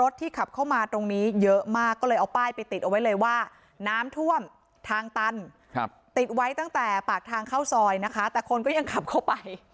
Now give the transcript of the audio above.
ติดไว้ตั้งแต่ปากทางเข้าซอยนะคะแต่คนก็ยังขับเข้าไป